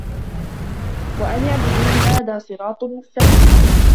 وَأَنِ اعبُدوني هذا صِراطٌ مُستَقيمٌ